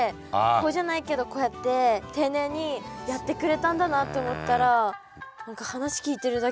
こうじゃないけどこうやって丁寧にやってくれたんだなって思ったら。